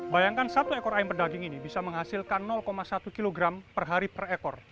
bayangkan satu ekor ayam pedaging ini bisa menghasilkan satu kilogram per hari per ekor